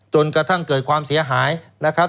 จนกระทั่งเกิดความเสียหายนะครับ